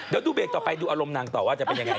เดี๋ยวดูเบรกต่อไปดูอารมณ์นางต่อว่าจะเป็นยังไง